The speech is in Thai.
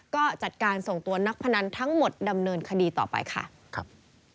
ก็จัดการส่งตัวนักพนันทั้งหมดดำเนินคดีต่อไปค่ะครับ